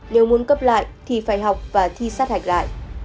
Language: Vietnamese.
nếu muốn cấp lại thì phải học và thi sát hạch lại